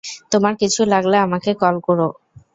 তোমার কিছু লাগলে, আমাকে কল করো।